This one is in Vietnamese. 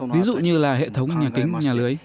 ví dụ như là hệ thống nhà kính nhà lưới